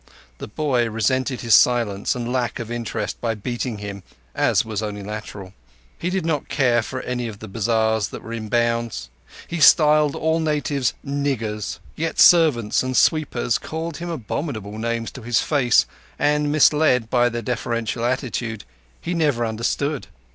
The boy resented his silence and lack of interest by beating him, as was only natural. He did not care for any of the bazars which were in bounds. He styled all natives "niggers"; yet servants and sweepers called him abominable names to his face, and, misled by their deferential attitude, he never understood.